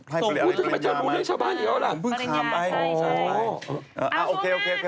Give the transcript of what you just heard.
ให้ฝรั่งอะไรปริญญาไหมปริญญาใช่เออโอเคผมไล่แล้วโอเคค่ะกลับมา